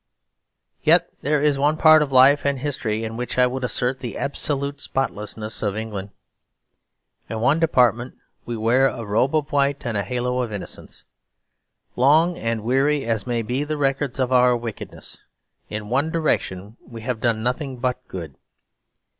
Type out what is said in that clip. Yet there is one part of life and history in which I would assert the absolute spotlessness of England. In one department we wear a robe of white and a halo of innocence. Long and weary as may be the records of our wickedness, in one direction we have done nothing but good.